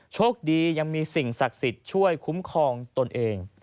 โชคดียังมีสิ่งศักดิ์สิทธิ์ช่วยคุ้มครองตนเอง